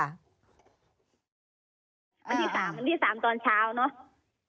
วันที่๓ตอนเช้าเนอะ